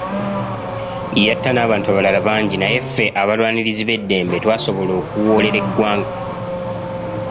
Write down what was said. Yatta n’abantu abalala bangi naye ffe abalwanirizi b’eddembe twasobola okuwolera eggwanga.